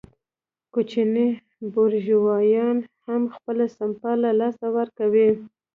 کوچني بورژوایان هم خپله سپما له لاسه ورکوي